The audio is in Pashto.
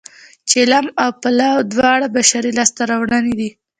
چلم او پلاو دواړه بشري لاسته راوړنې دي